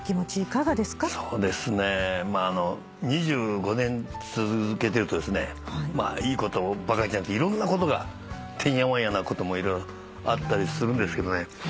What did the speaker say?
そうですね２５年続けてるといいことばかりじゃなくていろんなことがてんやわんやなことも色々あったりするんですけどね。